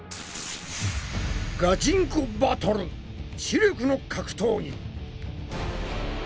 ガチンコバトル知力の格闘技！